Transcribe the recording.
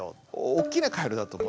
大きなカエルだと思う？